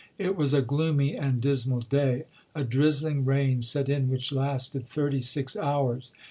It was a gloomy and dis mal day. A drizzling rain set in which lasted thirty six hours.